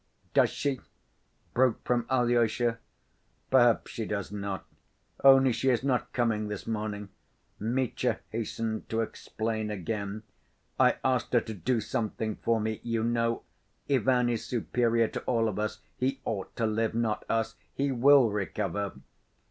"Does she?" broke from Alyosha. "Perhaps she does not. Only she is not coming this morning," Mitya hastened to explain again; "I asked her to do something for me. You know, Ivan is superior to all of us. He ought to live, not us. He will recover."